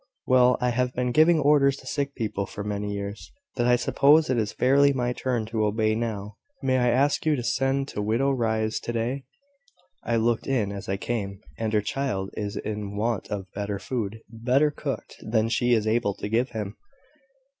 "Well, I have been giving orders to sick people for so many years, that I suppose it is fairly my turn to obey now. May I ask you to send to Widow Rye's to day? I looked in as I came; and her child is in want of better food, better cooked, than she is able to give him."